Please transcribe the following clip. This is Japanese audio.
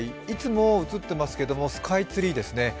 いつも映ってますけどスカイツリーですね。